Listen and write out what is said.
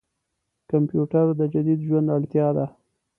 کمپيوټر د جديد ژوند اړتياده.